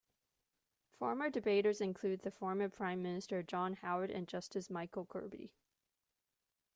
Former debaters include the former Prime Minister John Howard and Justice Michael Kirby.